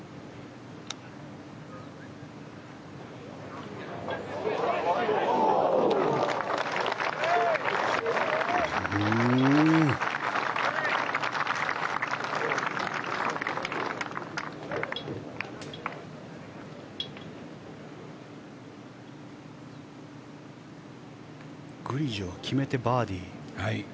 そしてグリジョは決めてバーディー。